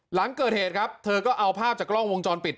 หลังเกิดเหตุครับเธอก็เอาภาพจากกล้องวงจรปิด